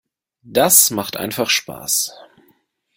Das macht einfach Spaß!